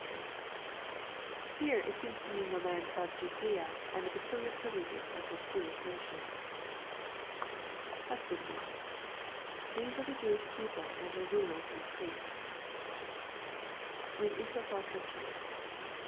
Here it seems to mean the land of Ju daea, and the peculiar privileges of the Jewi^ nation. [Husbandmen.] These are the Jewish people and their rulers and priests. [Went into a far country.